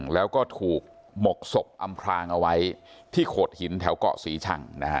แล้วก็ถูกหมกศพอำพลางเอาไว้ที่โขดหินแถวเกาะศรีชัง